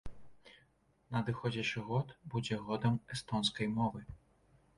Надыходзячы год будзе годам эстонскай мовы.